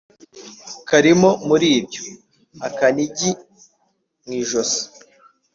Karimo muri ibyo.-Akanigi mu ijosi.